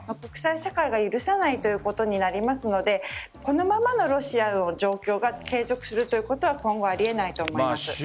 国際社会が許さないということになりますのでこのままのロシアの状況が継続することは今後はありえないと思います。